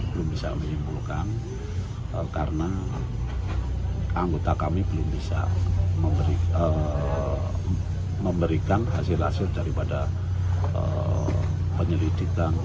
belum bisa menyimpulkan karena anggota kami belum bisa memberikan hasil hasil daripada penyelidikan